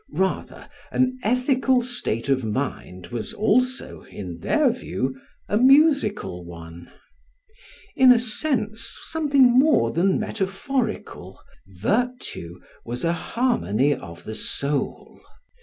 Rather an ethical state of mind was also, in their view, a musical one. In a sense something more than metaphorical, virtue was a harmony of the soul.